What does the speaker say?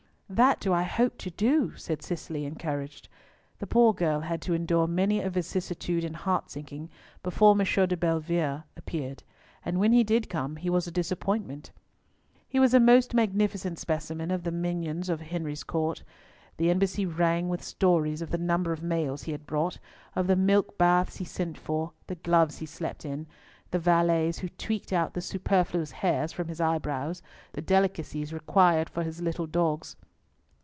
"That do I hope to do," said Cicely, encouraged. The poor girl had to endure many a vicissitude and heart sinking before M. de Bellievre appeared; and when he did come, he was a disappointment. He was a most magnificent specimen of the mignons of Henri's court. The Embassy rang with stories of the number of mails he had brought, of the milk baths he sent for, the gloves he slept in, the valets who tweaked out superfluous hairs from his eyebrows, the delicacies required for his little dogs.